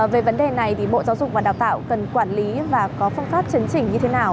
về vấn đề này thì bộ giáo dục và đào tạo cần quản lý và có phương pháp chấn chỉnh như thế nào